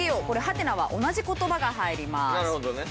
これハテナは同じ言葉が入ります。